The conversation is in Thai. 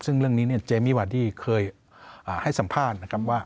ซึ่งเรื่องนี้เนี่ยเจมี่วาดี้เคยให้สัมภาษณ์นะครับว่า